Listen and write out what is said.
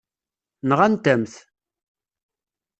Nɣant-am-t.